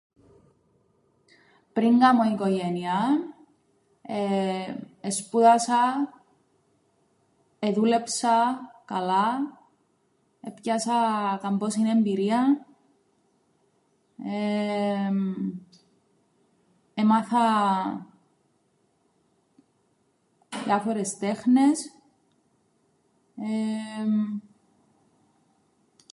Πριν κάμω οικογένειαν, εσπούδασα, εδούλεψα καλά, έπιασα καμπόσην εμπειρίαν, έμαθα διάφορες τέχνες.